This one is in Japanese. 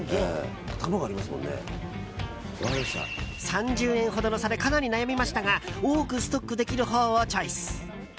３０円ほどの差でかなり悩みましたが多くストックできるほうをチョイス。